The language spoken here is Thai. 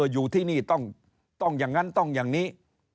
อยู่ที่นี่ต้องอย่างนั้นต้องอย่างนี้